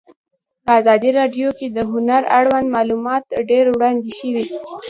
په ازادي راډیو کې د هنر اړوند معلومات ډېر وړاندې شوي.